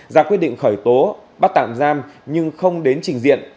ra quyết định khởi tố bắt tạm giam nhưng không đến trình diện